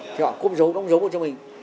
thì họ cốm dấu đóng dấu cho mình